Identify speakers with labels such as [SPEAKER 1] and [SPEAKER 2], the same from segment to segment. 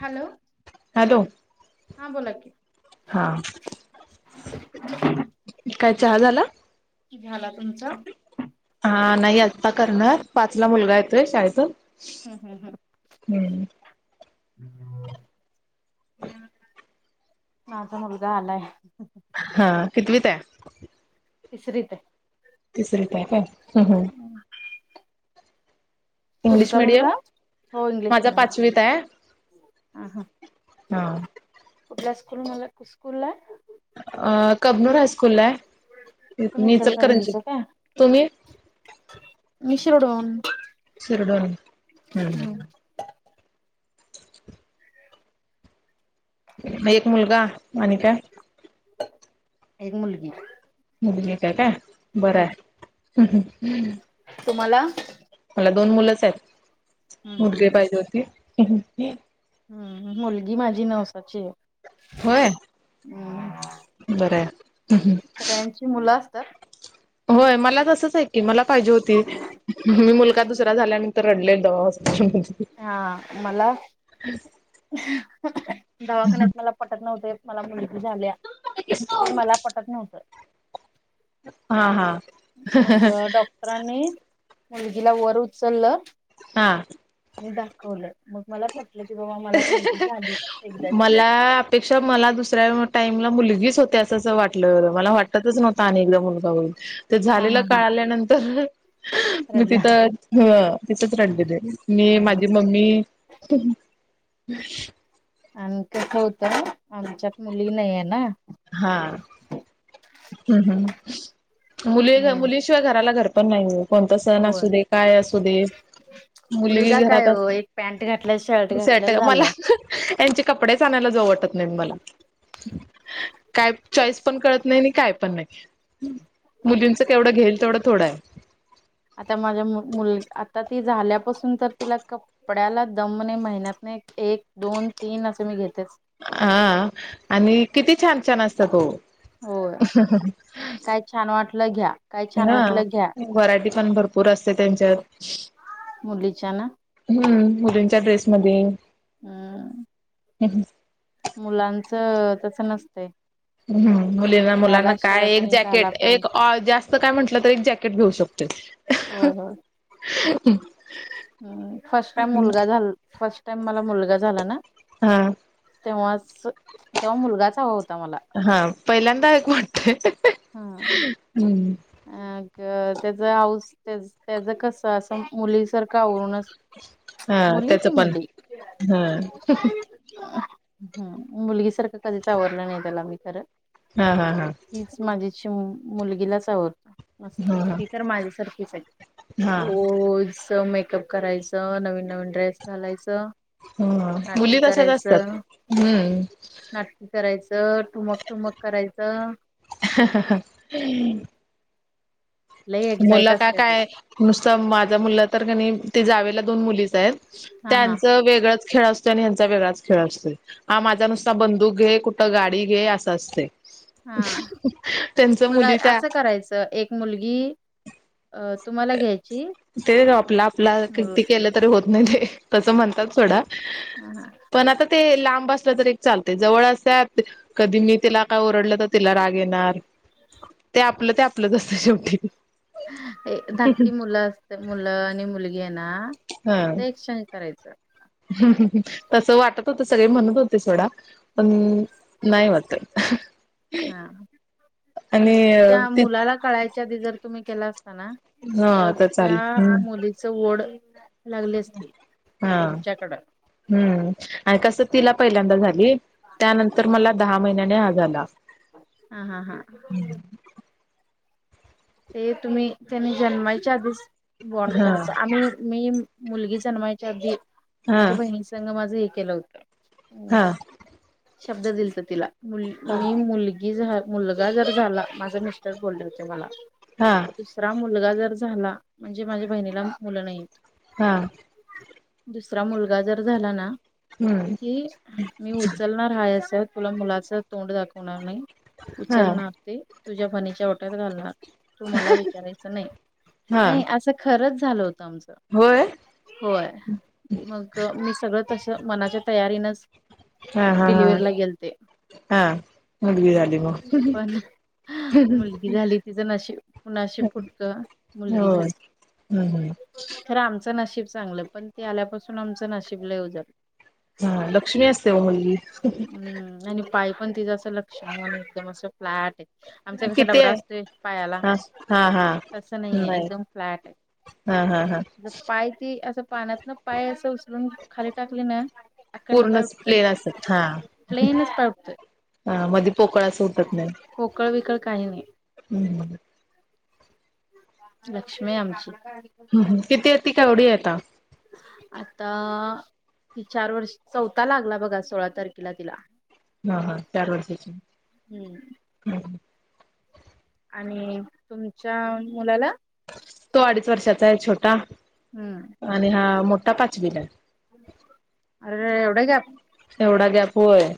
[SPEAKER 1] Hello
[SPEAKER 2] hello
[SPEAKER 1] हा बोला कि
[SPEAKER 2] हा काय चहा झाला?
[SPEAKER 1] झाला तुमचा?
[SPEAKER 2] हा नाही आत्ता करणार पाचला मुलगा येतोय शाळेतुन.
[SPEAKER 1] हम्म हम्म हम्म. माझा मुलगा आलाय.
[SPEAKER 2] हा कितवीत आहे?
[SPEAKER 1] तिसरीत आहे.
[SPEAKER 2] तिसरीतय काय ह हम. इंग्लिश
[SPEAKER 1] तुमचा
[SPEAKER 2] मिडियम
[SPEAKER 1] मुलगा? हो इंग्लिश
[SPEAKER 2] माझा
[SPEAKER 1] मिडियम ला
[SPEAKER 2] पाचवीतय.
[SPEAKER 1] हा हा.
[SPEAKER 2] हा.
[SPEAKER 1] कुठल्या स्कूल मले स्कूललाय?
[SPEAKER 2] अ कबनूर हायस्कूलाय.
[SPEAKER 1] तुम्ही
[SPEAKER 2] मी इचलकरंची
[SPEAKER 1] इचलकरंजीच काय?
[SPEAKER 2] तुम्ही?
[SPEAKER 1] मी शिरढोण.
[SPEAKER 2] शिरढोण हम्म हम्म ह. एक मुलगा आणि काय?
[SPEAKER 1] एक मुलगी.
[SPEAKER 2] मुलगी एक हाय काय बरंय
[SPEAKER 1] हम्म
[SPEAKER 2] हम्म हं हं.
[SPEAKER 1] तुम्हाला?
[SPEAKER 2] दोन मुलंच आहेत
[SPEAKER 1] हम्म हम्म
[SPEAKER 2] मुलगी पाहिजे होती हं हं.
[SPEAKER 1] हम्म मुलगी माझी नवसाची आहे
[SPEAKER 2] होय
[SPEAKER 1] अम्म.
[SPEAKER 2] बरं आहे.
[SPEAKER 1] सगळ्यांची मुलं असतात
[SPEAKER 2] होय मला तसंच आहे की मला पाहिजे होती मी मुलगा दुसरा झाल्यान तर रडले दवा
[SPEAKER 1] हा मला दवाखान्यात मला पटत नव्हते मला मुलगी झाल्या हे मला पटत नव्हतं
[SPEAKER 2] हा हा
[SPEAKER 1] मग डॉक्टरांनी मुलगीला वर उचललं.
[SPEAKER 2] हा.
[SPEAKER 1] मग दाखवलं. मग मला पटलं की बाबा मला मुलगी झाली एकदाची.
[SPEAKER 2] मला अपेक्षा मला दुसऱ्या टाईमला मुलगी ीच होत्या असं असं वाटलं मला वाटतच नव्हता अनेकदा मुलगा होईल ते
[SPEAKER 1] हा
[SPEAKER 2] झालेला
[SPEAKER 1] हा हा
[SPEAKER 2] कळल्यानंतर. मी
[SPEAKER 1] रडला.
[SPEAKER 2] तिथं ह तिथंच रडलेली मी माझी
[SPEAKER 1] हा.
[SPEAKER 2] मम्मी हम्म.
[SPEAKER 1] आणि कस होतं आमच्यात मुली नाही आहे ना
[SPEAKER 2] हा हम् हम मुली
[SPEAKER 1] हम्म.
[SPEAKER 2] मुलीशिवाय घराला घर पण नाही कोणता सण
[SPEAKER 1] होय
[SPEAKER 2] असू दे काय असू दे मुलगी
[SPEAKER 1] मुलगा काय
[SPEAKER 2] घरात
[SPEAKER 1] ओ एक पॅन्ट घातलं शर्ट
[SPEAKER 2] असली सट
[SPEAKER 1] घातलं
[SPEAKER 2] मला
[SPEAKER 1] झालं.
[SPEAKER 2] यांचे कपडेच आणायला जाऊ वाट मला काय चॉईस पण कळत नाही काय पण नाही मुलींचं केवढं घेईल तेवढा थोडा आहे
[SPEAKER 1] आता माझ्या मुल आता ती झाल्यापासून तर तिला कपड्याला दम नाही महिन्यातनं एक दोन तीन असे मी घेतेच
[SPEAKER 2] हा आणि किती छान छान असत ओ
[SPEAKER 1] होय काय छान वाटलं घ्या काय छान
[SPEAKER 2] ना
[SPEAKER 1] वाटलं घ्या
[SPEAKER 2] व्हरायटी पण भरपूर असते त्यांच्यात
[SPEAKER 1] मुली
[SPEAKER 2] हम्म मुलींच्या ड्रेसमध्ये.
[SPEAKER 1] हम्म.
[SPEAKER 2] हम् ह
[SPEAKER 1] मुलांचं तस नसतंय.
[SPEAKER 2] मुलींना मुलांना
[SPEAKER 1] घाला
[SPEAKER 2] काय
[SPEAKER 1] शर्ट
[SPEAKER 2] एक
[SPEAKER 1] आणि घाला
[SPEAKER 2] जॅकेट
[SPEAKER 1] पॅन्ट.
[SPEAKER 2] एक जास्त काय म्हंटलं तर एक जॅकेट घेऊ शकतो [inaudible]
[SPEAKER 1] ह फर्स्ट टाइम मुलगा झा फर्स्ट टाइम मला मुलगा झाला ना
[SPEAKER 2] हम
[SPEAKER 1] तेव्हाच तेव्हा मुलगाचा हवा होता मला.
[SPEAKER 2] हा पहिल्यांदा एक वाटतय.
[SPEAKER 1] हा.
[SPEAKER 2] हम्म
[SPEAKER 1] अग त्याच आऊस त्याच कस असं मुलीसारखं आवरूनच
[SPEAKER 2] हा
[SPEAKER 1] मुली
[SPEAKER 2] त्याच
[SPEAKER 1] ती
[SPEAKER 2] पण
[SPEAKER 1] मुली.
[SPEAKER 2] हा
[SPEAKER 1] हम् मुलगी सारखं कधीच आवरलं नाही त्याला मी खरं.
[SPEAKER 2] हा हा हा.
[SPEAKER 1] हीच माझी मुलगीलाच आवरतो मस्त
[SPEAKER 2] हा हा
[SPEAKER 1] ती तर माझ्यासारखीच आहे
[SPEAKER 2] हा
[SPEAKER 1] रोज. मेकअप करायचं नवीन नवीन ड्रेस घालायच.
[SPEAKER 2] हम्म मुली
[SPEAKER 1] नाटकी
[SPEAKER 2] तशाच असतात
[SPEAKER 1] करायचं
[SPEAKER 2] हम्म
[SPEAKER 1] नाटकी करायचं. तर ठुमक ठुमक करायचं.
[SPEAKER 2] [inaudible]
[SPEAKER 1] लई एक्झाईट
[SPEAKER 2] मुलं काय
[SPEAKER 1] असते ते
[SPEAKER 2] काय नुसतं माझा मुललं तर कणी ते जावे ला दोन मुलीच
[SPEAKER 1] हा हा
[SPEAKER 2] त्यांच वेगळंच खेळ असतोय आणि ह्यांचा वेगळाच खेळ असतोय हा माझा नुसता बंदूक घे कुठं गाडी घे असं असतयं
[SPEAKER 1] हा मग
[SPEAKER 2] मुली त्या
[SPEAKER 1] असं करायचं एक मुलगी. अ तुम्हाला घ्यायचं
[SPEAKER 2] ते ग आपला आपला किती केलं तरी होत नाही ते तसं म्हणतात सोडा.
[SPEAKER 1] हा हा
[SPEAKER 2] पण आता ते लाब बसलं तर एक चालते जवळ अस कधी मी तिला काय ओरडलं तर तिला राग येणार ते आपलं ते आपलंच असतं शेवटी
[SPEAKER 1] धाककी मुलं असते मुलं आणि मुलगी घे ना ते एक्शनज करायचं.
[SPEAKER 2] ह तस वाटत होत सगळे म्हणत होते सोडा पण नाही वाट ह
[SPEAKER 1] हा पण त्या
[SPEAKER 2] ती
[SPEAKER 1] मुलाला कळायच. जर तुम्ही केला असताना
[SPEAKER 2] हा
[SPEAKER 1] तर, त्या
[SPEAKER 2] चालेल हम्म
[SPEAKER 1] मुलीच ओढ लागली असती
[SPEAKER 2] हा
[SPEAKER 1] तुमच्याकडं
[SPEAKER 2] हम्म आणि कसं तिला पहिल्यांदा झाली त्यानंतर मला दहा महिन्याने हा झाला.
[SPEAKER 1] हम हम हा ते तुम्ही त्यांनी जन्माच्या आधीच बॉड
[SPEAKER 2] हा
[SPEAKER 1] करायच आणि मी मुलगी जन्मायच्या अधी
[SPEAKER 2] हा
[SPEAKER 1] माझ्या बहिणी संघ माझं हे केलं होतं.
[SPEAKER 2] हा
[SPEAKER 1] शब्द दिलत तिला मुली
[SPEAKER 2] हा
[SPEAKER 1] मुलगी जर मुलगा जर झाला माझा मिस्टर बोलले होते मला
[SPEAKER 2] हा
[SPEAKER 1] दुसरा मुलगा जर झा म्हणजे माझ्या बहिणीला मुलं नाहीत.
[SPEAKER 2] हा.
[SPEAKER 1] दुसरा मुलगा जर झाला ना
[SPEAKER 2] हम्म
[SPEAKER 1] की मी उचलणार हाय असत. तुला मुलाच तोंड दाखवणार नाही,
[SPEAKER 2] हा
[SPEAKER 1] उचलणार ते तुझ्या फणीच्या ओट्यात घालणार. तु मला विचारायचं नाही
[SPEAKER 2] हा
[SPEAKER 1] नाही असं खरंच झालं होत.
[SPEAKER 2] होय
[SPEAKER 1] होय मग मी सगळं तस मनाच्या तयारीनच
[SPEAKER 2] हा हा हा
[SPEAKER 1] डिलिव्हला गेलते.
[SPEAKER 2] हा मुलगी झाली मग
[SPEAKER 1] पण मुलगी झाली ति ज नशीब पुनाश फुटक मुलगी
[SPEAKER 2] होय
[SPEAKER 1] झाली
[SPEAKER 2] हम्म हम्म
[SPEAKER 1] तर आमच नाशब चांगलं पण ते आल्यापासून आमचं नाशिब ल येऊ जात.
[SPEAKER 2] हा लक्ष्मी असतेव मुलली
[SPEAKER 1] हम्म आणि पाय पण तिझं असं लक्षण आहे, आणि एकदम असं फ्लॅट आहे आमचा कसा
[SPEAKER 2] किती
[SPEAKER 1] डबरा
[SPEAKER 2] आहे
[SPEAKER 1] असतोय पायाला
[SPEAKER 2] हा हा हा
[SPEAKER 1] तसं नाहीये
[SPEAKER 2] नाही
[SPEAKER 1] एकदम फ्लॅट आहे.
[SPEAKER 2] हा हा ह
[SPEAKER 1] पाण्यातन पाय असं उचलून खाली टाकली ना अखंड पाय
[SPEAKER 2] पूर्णच
[SPEAKER 1] उठतोय.
[SPEAKER 2] प्लेन असतात हा
[SPEAKER 1] प्लेनस पाय उडतोय
[SPEAKER 2] कळा उटत नाही.
[SPEAKER 1] काही नाही.
[SPEAKER 2] ह्.
[SPEAKER 1] लक्ष्मी आहे आमची.
[SPEAKER 2] ह किती ती कावढ आता
[SPEAKER 1] आता हि चार वर्ष चौथा लागला बघा सोळा तारखेला तिला
[SPEAKER 2] हा हा चार वर्षची
[SPEAKER 1] हम्म.
[SPEAKER 2] हम
[SPEAKER 1] आणि तुमच्या मुलाला
[SPEAKER 2] तो अडीच वर्षाचा आहे छोटा
[SPEAKER 1] हम्म
[SPEAKER 2] आणि हा मोठा पाचवीला आहे.
[SPEAKER 1] अरेे एवढा गॅप
[SPEAKER 2] एवढा गॅप होय,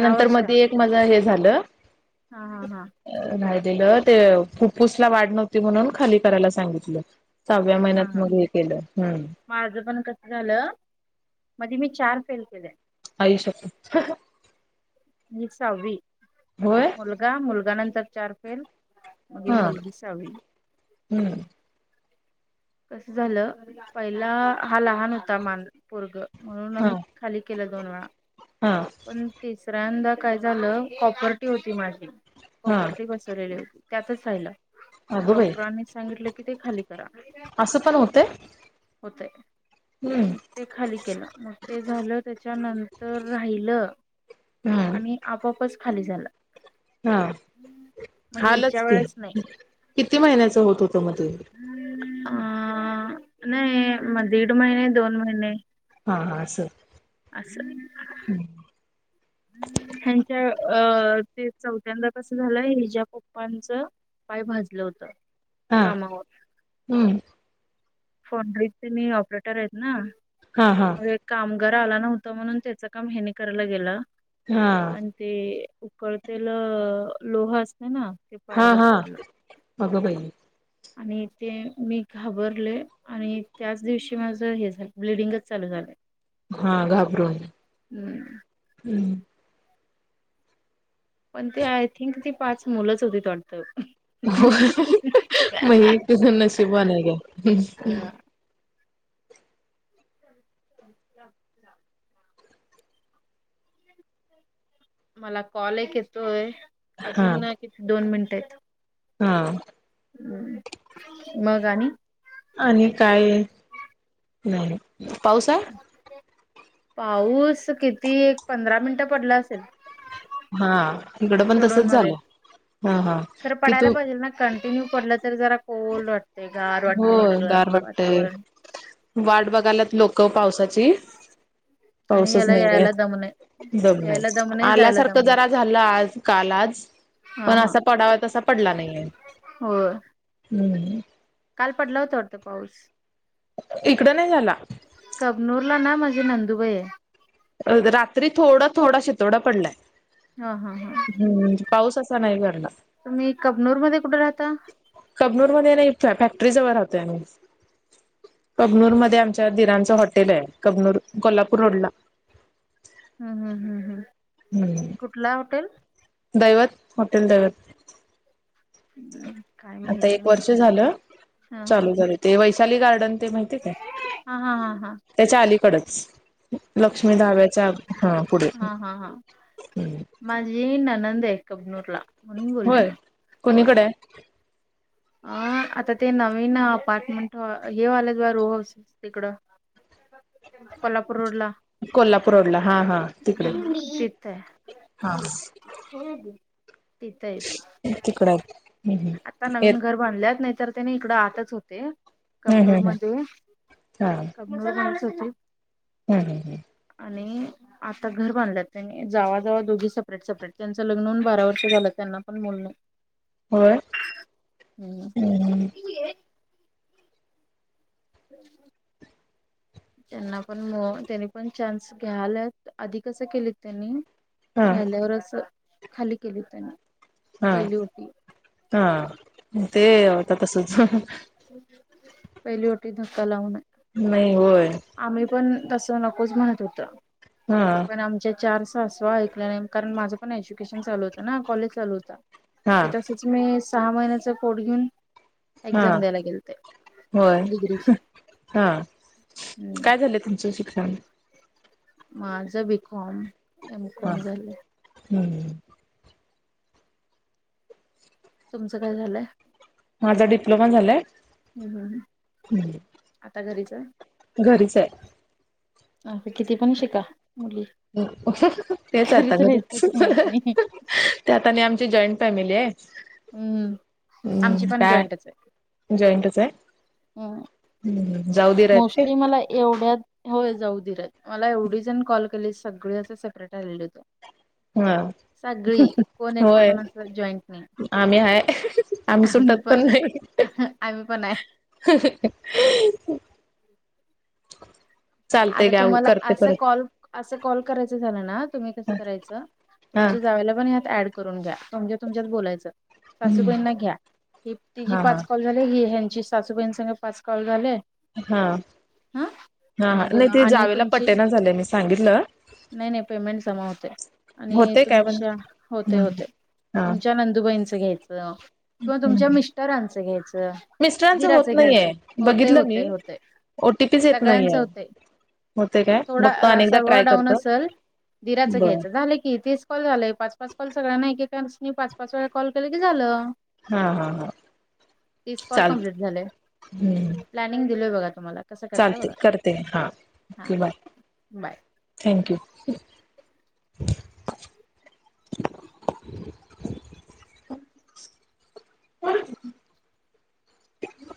[SPEAKER 1] दहा वर्ष
[SPEAKER 2] मध्ये एक माझं हे झालं.
[SPEAKER 1] हा हा हा.
[SPEAKER 2] दिलं ते फुप्फुसला वाढ नव्हती, म्हणून खाली करायला सांगितलं. सहाव्या महिन्यात
[SPEAKER 1] ह
[SPEAKER 2] मग हे केलं हम्म
[SPEAKER 1] पण कस झालं मध्ये मी चार फेल आहे
[SPEAKER 2] आयुष्यात.
[SPEAKER 1] एक सहावी मुलगा मुलगा नंतर चार फेल मगे
[SPEAKER 2] हा
[SPEAKER 1] मुलगी सावी...
[SPEAKER 2] हम्म
[SPEAKER 1] कस झालं पहिला हा लहान होता माझं पोरग.. म्हणून
[SPEAKER 2] हा
[SPEAKER 1] आम्ही खाली केलं दोन वेळा
[SPEAKER 2] हा
[SPEAKER 1] पण तिसऱ्यांदा.. काय झालं कॉपर्टी होती माझी
[SPEAKER 2] हा
[SPEAKER 1] कॉपर्टी बसरलेली होती त्यातच राहिल
[SPEAKER 2] अगं बाई
[SPEAKER 1] डॉक्टरांनी सांगितलं की ते खाली करा.
[SPEAKER 2] असं पण होतय
[SPEAKER 1] होतय मग ते खाली केलं मग ते झालं त्या.. त्याच्या नंतर राहिलं
[SPEAKER 2] हम्म
[SPEAKER 1] आणि आपपच खाली झालं.
[SPEAKER 2] हा
[SPEAKER 1] मग याच्या
[SPEAKER 2] हालच कि
[SPEAKER 1] वेळेस नाही
[SPEAKER 2] किती महिन्याच होत होत.. [inaudible]
[SPEAKER 1] अ नाही मग दीड महिने दोन महिने..
[SPEAKER 2] हां हां अस...
[SPEAKER 1] अस ह्याच्या.. अ ते चौथ्यांदा कसं झालंय ही ज्या पप्पांचं पाय भाजलं होतं.
[SPEAKER 2] हा हम्म...
[SPEAKER 1] फोन ड्रीपचे मी ऑपरेटर आहेत ना
[SPEAKER 2] हा हा
[SPEAKER 1] मग एक काम.. घर आला नव्हत म्हणून त्याच काम हेनी करायला गेलं
[SPEAKER 2] हा
[SPEAKER 1] आणि ते.. उकळतेल लोह असते ना... ते
[SPEAKER 2] हा
[SPEAKER 1] पायावरच
[SPEAKER 2] हा
[SPEAKER 1] पडलं
[SPEAKER 2] अगं बाई...
[SPEAKER 1] आणि ते मी घाबरले आणि त्याच दिवशी माझ हे झालं ब्लडिंगच चालू झालंय...
[SPEAKER 2] हा घाबरून हम्म...
[SPEAKER 1] पण ते आय थिंक ती पाच मुलंच होती डत..
[SPEAKER 2] हो मग तझ नशिब नाही
[SPEAKER 1] अ
[SPEAKER 2] का?
[SPEAKER 1] [unintelligible] [inaudible] मला कॉल एक येतोय
[SPEAKER 2] हा
[SPEAKER 1] अजून किती दोन मिनट..
[SPEAKER 2] हा
[SPEAKER 1] मग आणि...
[SPEAKER 2] आणि काय? नाही पाऊस आहे.
[SPEAKER 1] पाऊस किती एक पंधरा मिनिटं पडलं असेल.
[SPEAKER 2] हा इकडं पण
[SPEAKER 1] शिरडोन
[SPEAKER 2] तसच
[SPEAKER 1] मध्ये
[SPEAKER 2] झालं. हा हा
[SPEAKER 1] खरं
[SPEAKER 2] कि
[SPEAKER 1] पडायला
[SPEAKER 2] तू
[SPEAKER 1] पाहिजेल ना कंटिन्यू पडलं तरी जरा कोल वाट... ते गार
[SPEAKER 2] हो
[SPEAKER 1] वाटते सगळं
[SPEAKER 2] गार वाटतय
[SPEAKER 1] वातावरण...
[SPEAKER 2] वाट बघायलात लोक पावसाची...
[SPEAKER 1] आणि ह्याला यायला जमना.
[SPEAKER 2] दबलं आल्यासारखं जरा झालं आज काल आज..
[SPEAKER 1] हा
[SPEAKER 2] पण
[SPEAKER 1] हा
[SPEAKER 2] असा पडावा तसा पडला नाहीेये
[SPEAKER 1] होय
[SPEAKER 2] हम्...
[SPEAKER 1] काल पडला होता वाटत पाऊस...
[SPEAKER 2] इकडं नाही झाला.
[SPEAKER 1] कबनूर ला ना माझी नंदुबाई हाय..
[SPEAKER 2] रात्री थोडा थोडा शितोडा पडलाय.
[SPEAKER 1] हा हा हा...
[SPEAKER 2] हम्म पाऊस असा नाही भरला.
[SPEAKER 1] तुम्ही कबनूर मध्ये कुठे राहता.
[SPEAKER 2] कबनूर मध्ये नाही फॅक्टरी जवळ राहतोय आम्ही.. कबनूर मध्ये आमच्या दिराच हॉटेल आहे कबनूर कोल्हापूर रोड ला
[SPEAKER 1] हम्म हम्म हम्म हम्
[SPEAKER 2] हम्म
[SPEAKER 1] कुठला हॉटेल...
[SPEAKER 2] दैवत हॉटेल दैवत...
[SPEAKER 1] हम्...
[SPEAKER 2] आता एक वर्ष झालं
[SPEAKER 1] हा हा
[SPEAKER 2] चालू झालं ते वैशाली गार्डन.. ते माहिती हायकाय
[SPEAKER 1] हा हा हा हा
[SPEAKER 2] त्याच्या अलीकडच... लक्ष्मी
[SPEAKER 1] त्याच्या अलीकड
[SPEAKER 2] धाब्याच्या हा पुढे
[SPEAKER 1] हा हा हा
[SPEAKER 2] हम्
[SPEAKER 1] हुनदे कबनुरला
[SPEAKER 2] होय कोणीकडे हाय
[SPEAKER 1] अ आता ते नवीन अपार्टमेंट हे व्हालत बघा रोहज तिकडं
[SPEAKER 2] [inaudible]
[SPEAKER 1] कोल्हापूर रोड ला,
[SPEAKER 2] कोल्हापूर रोडला हा हा तिकडे
[SPEAKER 1] तिथं आहे
[SPEAKER 2] हा
[SPEAKER 1] तिथ हाय ते
[SPEAKER 2] तिकड आहेत हम्म
[SPEAKER 1] आता
[SPEAKER 2] हम्म येत
[SPEAKER 1] नवीन घर बांधल्यात नाही, तर तेनी इकड आठच होते
[SPEAKER 2] हम्म
[SPEAKER 1] कबनूर
[SPEAKER 2] हम्म हम्म
[SPEAKER 1] मध्ये कबनूर, तोतय [unintelligible]
[SPEAKER 2] हम् हम् हम्
[SPEAKER 1] आणि, आता घर बांधल्यात त्यांनी जावा जावा दोघी सेपरेट सेपरेट त्यांचं लग्न होऊन बारा वर्ष झालं त्यांना पण मुल,
[SPEAKER 2] होय हम्म
[SPEAKER 1] [unintelligible] [unintelligible] त्यांना पण तेनी पण चान्स घ्यायल्यात आधी कस केलित त्यांनी,
[SPEAKER 2] हा
[SPEAKER 1] राहिल्यावरच खाली केली त्यांनी
[SPEAKER 2] हा
[SPEAKER 1] पहिली ओटी
[SPEAKER 2] हा ते आता तसच
[SPEAKER 1] पहिली वटी धक्का लावून
[SPEAKER 2] नाहीय होय,
[SPEAKER 1] आम्ही पण तसं नकोच म्हणत होत
[SPEAKER 2] हा
[SPEAKER 1] पण आमच्या चार सासवा ऐकल्या नाही कारण, माझं पण एज्युकेशन चालू होत ना कॉलेज चालू होत.
[SPEAKER 2] हा
[SPEAKER 1] ते तसच मी सहा महिन्याच पोट घेऊन,
[SPEAKER 2] हा
[SPEAKER 1] एक्झाम द्यायला गेलते
[SPEAKER 2] होय
[SPEAKER 1] डिग्रीची
[SPEAKER 2] हा, काय झालंय तुमचं शिक्षण?
[SPEAKER 1] माझं बीकॉम एमकॉम झालंय
[SPEAKER 2] हम
[SPEAKER 1] तुमचं काय झालंय
[SPEAKER 2] माझा डिप्लोमा झालाय
[SPEAKER 1] हम्म हम् ह्
[SPEAKER 2] हम्म
[SPEAKER 1] आता घरीच आहे,
[SPEAKER 2] घरीच आहे
[SPEAKER 1] अ किती पण शिका मुली
[SPEAKER 2] तेच आता
[SPEAKER 1] राहायचं
[SPEAKER 2] घरीच
[SPEAKER 1] तुम्हासनी
[SPEAKER 2] त्यात आता आणि आमची जॉईंट, फॅमिली आहे,
[SPEAKER 1] हम्म आमची
[SPEAKER 2] हम्म
[SPEAKER 1] पण
[SPEAKER 2] काय जॉईंटच आहे.
[SPEAKER 1] हम्
[SPEAKER 2] जाऊ दीर आहेत ते
[SPEAKER 1] मोस्टली मला एवढ्यात, होय जाऊ दिर आहेत मला एवढी जण कॉल केले सगळ्याच सेपरेट आलेल हाइत,
[SPEAKER 2] हा
[SPEAKER 1] एकटं
[SPEAKER 2] होय
[SPEAKER 1] पण असं जॉईंट नाही
[SPEAKER 2] आम्ही आहे आम्ही सुटत पण नाही.
[SPEAKER 1] आम्ही पण आहे.
[SPEAKER 2] [unintelligible] चालतय
[SPEAKER 1] आता
[SPEAKER 2] गाव
[SPEAKER 1] तुम्हाला
[SPEAKER 2] करते
[SPEAKER 1] असं
[SPEAKER 2] परत
[SPEAKER 1] कॉल अस, कॉल करायच झालं ना तुम्ही कसं करायच
[SPEAKER 2] हा हा
[SPEAKER 1] तुमच्या जावेला पण हत ऍड करून घ्या तुमच्या तिच्यात बोयच सासू बाई घ्या
[SPEAKER 2] हा हा
[SPEAKER 1] पाच कल झा, जी सासूबाईं सांग पाच कॉल झालेय,
[SPEAKER 2] हा हा हा
[SPEAKER 1] मग
[SPEAKER 2] नाही ते
[SPEAKER 1] आणि
[SPEAKER 2] जावेला
[SPEAKER 1] तुमची
[SPEAKER 2] पटेना झाले मी सांगितलं,
[SPEAKER 1] नाही नाही पेमेंट जमा होते, आणि
[SPEAKER 2] होते काय पण
[SPEAKER 1] तुमच्या होते होते.
[SPEAKER 2] हा
[SPEAKER 1] तुमच्या नंदुबाईंचं घ्यायचं, किंवा तुमच्या मिस्टरांच घ्यायचं
[SPEAKER 2] मिस्टरांच होत
[SPEAKER 1] वीराचे घ्यायचं
[SPEAKER 2] नाहीये
[SPEAKER 1] होते
[SPEAKER 2] बघितलं मी
[SPEAKER 1] होते होते.
[SPEAKER 2] ओटीपीच येत नाही
[SPEAKER 1] सगळ्यांचं
[SPEAKER 2] आहे
[SPEAKER 1] होतंय
[SPEAKER 2] होते काय
[SPEAKER 1] थोडा
[SPEAKER 2] बघतो अनेकदा
[SPEAKER 1] सर्व्हर
[SPEAKER 2] ट्राय
[SPEAKER 1] डाऊन
[SPEAKER 2] करत,
[SPEAKER 1] असेल दिराचं घ्यायचं झालं की तीस कॉल झाले पाच पाच कॉल सगळ नाही काय पाच पाच वेळा कॉल केलं की झालं.
[SPEAKER 2] हा हा हा
[SPEAKER 1] तीस कॉल
[SPEAKER 2] चालते
[SPEAKER 1] कमप्लीट झाले
[SPEAKER 2] हम्म
[SPEAKER 1] प्लॅनिंग दिलोय बघा मला कसं करताय
[SPEAKER 2] चालते
[SPEAKER 1] बघा
[SPEAKER 2] करते हा
[SPEAKER 1] हा
[SPEAKER 2] okay bye
[SPEAKER 1] bye
[SPEAKER 2] thank you [unintelligible] ह